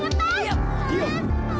kita kalah bukan